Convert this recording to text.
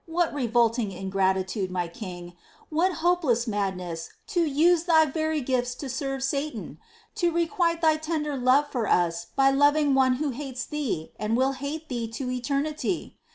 what revolting ingratitude, my King ! What hopeless madness, to use EXCLAMATIONS. 97 Thy very gifts to serve Satan ! to requite Thy tender love for us by loving one who hates Thee, and will hate Thee to eternity